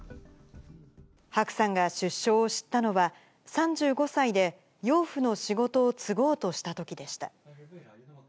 白さんが出生を知ったのは、３５歳で養父の仕事を継ごうとしたときでした。